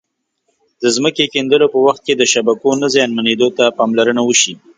د ځمکې کیندلو په وخت کې د شبکو نه زیانمنېدو ته پاملرنه وشي.